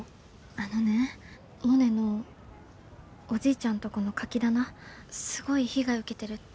あのねモネのおじいちゃんとこのカキ棚すごい被害受けてるって。